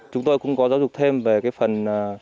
chúng tôi cũng có giáo dục thêm về cái phần